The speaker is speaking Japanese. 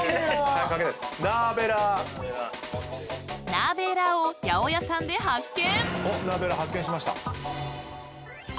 ［ナーベーラーを八百屋さんで発見！］